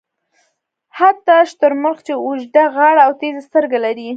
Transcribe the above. حتی شترمرغ چې اوږده غاړه او تېزې سترګې لري.